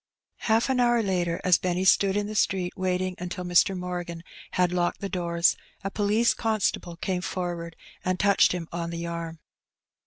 Half an hour later, as Benny stood in the street wsating until Mr. Morgan had locked the doors, a police constable came forward and touched him on the arm.